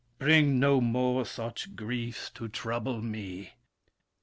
Bring no more such griefs to trouble me!